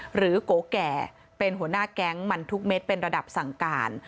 โกแก่เป็นหัวหน้าแก๊งมันทุกเม็ดเป็นระดับสั่งการ